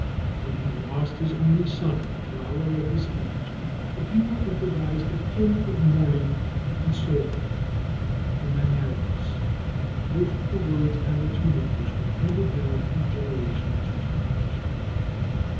When he lost his only son in the flower of his age, the people improvised a hymn of mourning to console him the "Maneros" both the words and the tune of which were handed down from generation to generation.